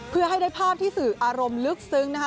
เพื่อให้ได้ภาพที่สื่ออารมณ์ลึกซึ้งนะคะ